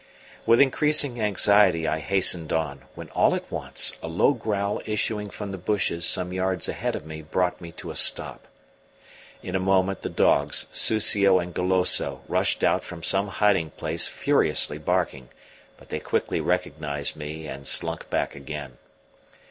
With increasing anxiety I hastened on, when all at once a low growl issuing from the bushes some yards ahead of me brought me to a stop. In a moment the dogs, Susio and Goloso, rushed out from some hiding place furiously barking; but they quickly recognized me and slunk back again.